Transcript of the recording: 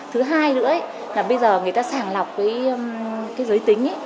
thứ hai nữa là bây giờ người ta sàng lọc cái giới tính ấy